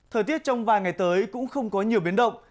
thời tiết trong vài ngày tới cũng không có nhiều biến động